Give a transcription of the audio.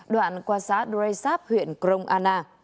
đoạn qua xá dresap huyện kronana